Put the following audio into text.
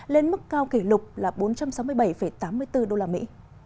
lên mức cao kỷ lục là bốn trăm sáu mươi bảy tám mươi bốn đô la mỹ